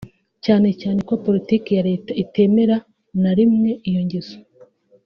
cyane cyane ko politiki ya Leta itemera na rimwe iyo ngeso